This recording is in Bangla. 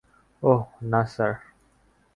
ওহ, না, স্যার।